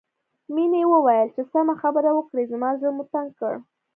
مينې وويل چې سمه خبره وکړئ زما زړه مو تنګ کړ